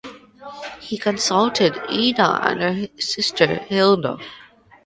He consulted with Ida and her sister Hilda.